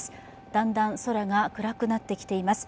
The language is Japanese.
だんだん空が暗くなってきています。